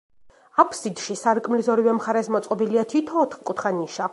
აფსიდში, სარკმლის ორივე მხარეს, მოწყობილია თითო, ოთხკუთხა ნიშა.